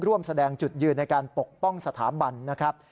ร่วมแสดงจุดยืนในการปกป้องสถาบันนะครับ